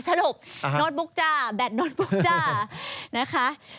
สรุปโน้ตบุ๊กจ้าแบตโน้ตบุ๊กจ้านะคะ